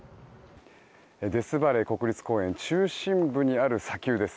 デスバレー国立公園中心部にある砂丘です。